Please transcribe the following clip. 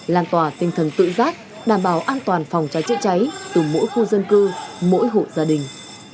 lan tỏa tinh thần tự giác đảm bảo an toàn phòng cháy chữa cháy từ mỗi khu dân cư mỗi hộ gia đình